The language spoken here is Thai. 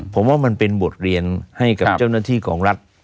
ผมว่ามันเป็นบทเรียนให้กับเจ้าหน้าที่ของรัฐ